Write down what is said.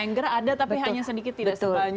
anger ada tapi hanya sedikit tidak sebanyak yang lain